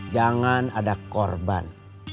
jangan ada korban